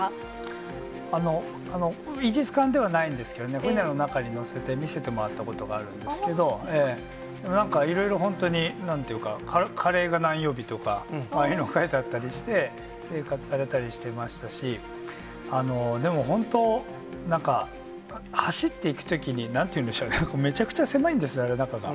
イージス艦ではないんですけどね、船の中に乗せて、見せてもらったことがあるんですけど、なんか、いろいろ本当になんていうか、カレーが何曜日とか、ああいうのが書いてあったりして、生活されたりしていましたし、でも本当、なんか、走っていくときに、なんていうんでしょうか、めちゃくちゃ狭いんですよ、中が。